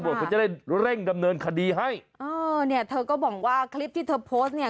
เขาจะได้เร่งดำเนินคดีให้เออเนี่ยเธอก็บอกว่าคลิปที่เธอโพสต์เนี่ย